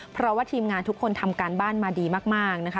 เพราะทีมงานทุกคนทำการบ้านมาดีมาก